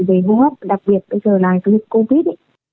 vì vô hấp đặc biệt bây giờ là covid